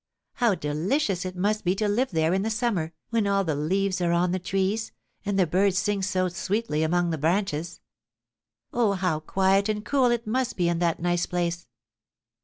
How delicious it must be to live there in the summer, when all the leaves are on the trees and the birds sing so sweetly among the branches! Oh, how quiet and cool it must be in that nice place!"